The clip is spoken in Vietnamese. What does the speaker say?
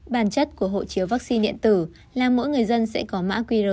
bản chất của hộ chiếu vaccine điện tử là mỗi người dân sẽ có mã qr